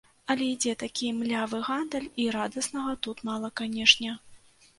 Але ідзе такі млявы гандаль і радаснага тут мала, канешне.